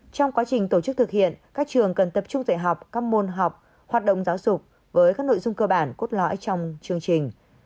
trong quá trình tổ chức thực hiện các trường cần tập trung dạy học các môn học hoạt động giáo dục với các nội dung cơ bản cốt lõi trong chương trình